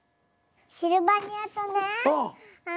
シルバニアとね。